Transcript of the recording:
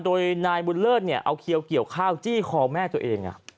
โดยนายบุญเลิศเนี่ยเอาเขียวเกี่ยวข้าวจี้คอแม่ตัวเอง